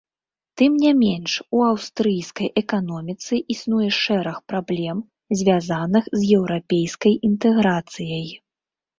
Тым не менш, у аўстрыйскай эканоміцы існуе шэраг праблем, звязаных з еўрапейскай інтэграцыяй.